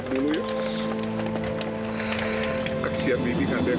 kau cuma mayat menyedihkan dirimu